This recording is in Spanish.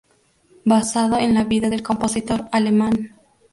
Basado en la vida del compositor alemán.